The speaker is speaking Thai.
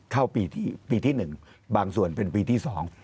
เข้าปี๑หรือบางส่วนเป็นปีที่๒